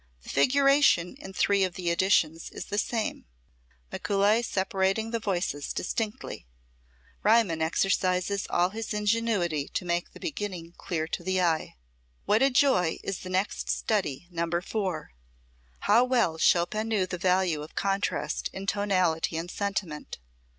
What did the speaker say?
The figuration in three of the editions is the same, Mikuli separating the voices distinctly. Riemann exercises all his ingenuity to make the beginning clear to the eye. [Musical score excerpt] What a joy is the next study, No. 4! How well Chopin knew the value of contrast in tonality and sentiment!